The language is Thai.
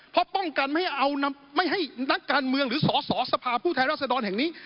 เพราะป้องกันไม่ให้นักการเมืองหรือสอสอสภาพูดไทยราษฎรแห่งนี้